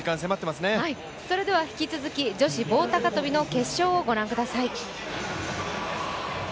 引き続き女子棒高跳の決勝をご覧ください。